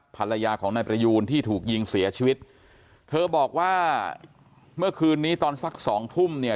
ภรรยาของนายประยูนที่ถูกยิงเสียชีวิตเธอบอกว่าเมื่อคืนนี้ตอนสักสองทุ่มเนี่ย